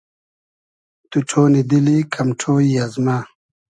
تو ݖۉنی دیلی کئم ݖۉیی از مۂ